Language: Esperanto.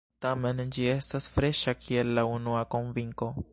Tamen ĝi estas freŝa kiel la unua konvinko.